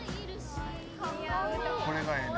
これがええね